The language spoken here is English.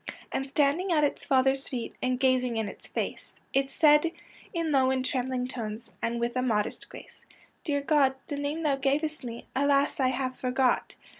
And standing at its Father's feet, • And gazing in his face, It said in low and trembling tones, And with a modest grace, ^ Dear God, the name thou gavest me, Alas, I have forgot.'